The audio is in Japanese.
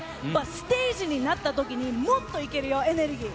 ステージになったときに、もっといけるよ、エネルギー。